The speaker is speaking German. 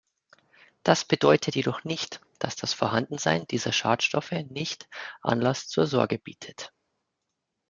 Das bedeutet jedoch nicht, dass das Vorhandensein dieser Schadstoffe nicht Anlass zur Sorge bietet.